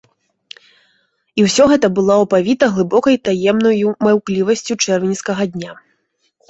І ўсё гэта было апавіта глыбокаю таемнаю маўклівасцю чэрвеньскага дня.